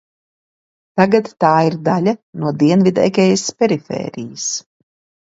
Tagad tā ir daļa no Dienvidegejas perifērijas.